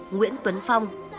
nguyễn tuấn phong